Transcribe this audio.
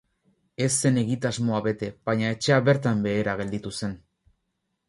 Ez zen egitasmoa bete baina etxea bertan behera gelditu zen.